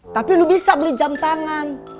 tapi lu bisa beli jam tangan